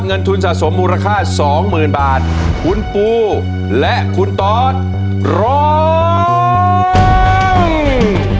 เงินทุนสะสมมูลค่าสองหมื่นบาทคุณปูและคุณตอสร้อง